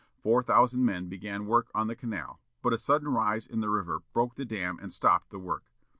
Four thousand men began work on the canal, but a sudden rise in the river broke the dam and stopped the work.